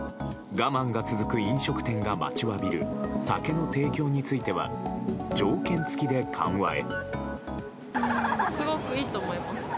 我慢が続く飲食店が待ちわびる酒の提供については条件付きで緩和へ。